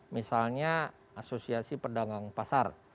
misalnya asosiasi perdagang pasar